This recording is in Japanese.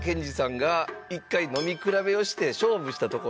一回飲み比べをして勝負したところ